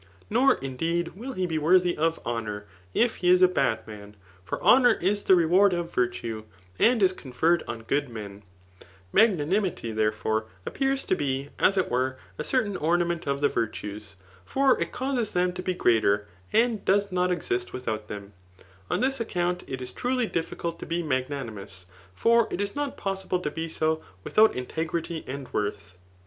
Nor» indeed, will he be worthy^ honour if he is a bad man ; for honour is ihe reward of virtue^ and is con ferred on good men* Magnanimky, therefore, appears to J)e, as it weie, a certain ornament of the virtues ; for it causes them to be greater, and does not exist with out them* 'On this accoimt it is truly difficult to be mag* nanixuous; for it is not possible to be so without inte tgrity and worth.